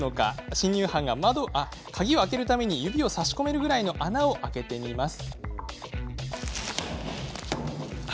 侵入犯が鍵を開けるために指を差し込めるぐらいの穴を開けてみます。